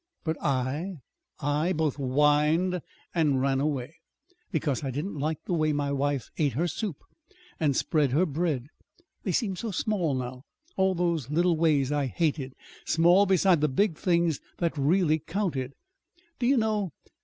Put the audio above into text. But I I both whined and ran away because I didn't like the way my wife ate her soup and spread her bread. They seem so small now all those little ways I hated small beside the big things that really counted. Do you know?